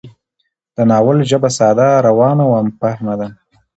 د ناول ژبه ساده، روانه او عام فهمه ده